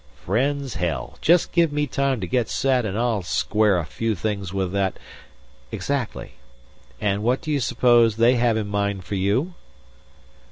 "Friends, hell! Just give me time to get set, and I'll square a few things with that " "Exactly. And what do you suppose they have in mind for you?"